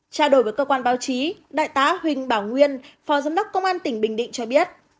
trao đổi với cơ quan báo chí đại tá huỳnh bảo nguyên phó giám đốc công an tỉnh bình định cho biết